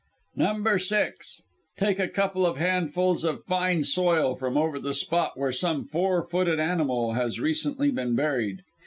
"No. 6. Take a couple of handfuls of fine soil from over the spot where some four footed animal has recently been buried.